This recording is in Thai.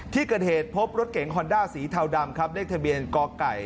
ที่เกิดเหตุพบรถเก๋งฮอนด้าสีเทาดำครับเลขทะเบียนกไก่